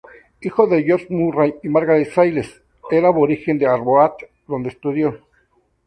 Hijo de George Murray y Margaret Sayles, era aborigen de Arbroath, donde estudió.